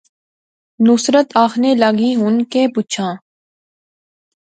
نصرت آخنے لاغی، ہن کہہ پچھاں